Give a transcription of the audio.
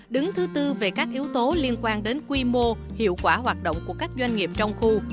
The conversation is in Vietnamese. đứng thứ tư về các yếu tố liên quan đến quy mô hiệu quả hoạt động của các doanh nghiệp trong khu